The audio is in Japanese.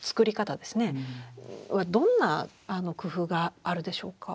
どんな工夫があるでしょうか？